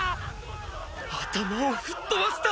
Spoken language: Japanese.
頭を吹っ飛ばした！！